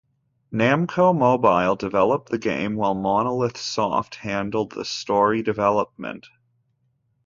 Namco Mobile developed the game, while Monolith Soft handled the story development.